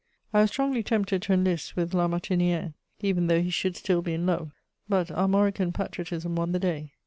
I was strongly tempted to enlist with La Martinière, even though he should still be in love; but Armorican patriotism won the day.